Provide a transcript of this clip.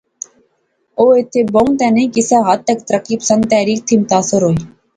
او ایتھیں بہوں تہ نئیں کسے حد تک ترقی پسند تحریک تھی متاثر ہوئی